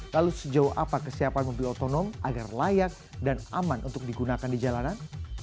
lalu sejauh apa kesiapan mobil otonom agar layak dan aman untuk digunakan di jalanan